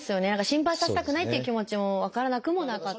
心配させたくないっていう気持ちも分からなくもなかった。